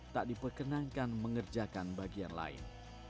tak diperkenankan mengerjakan bagian lain